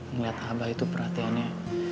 ngeliat abah itu perhatiannya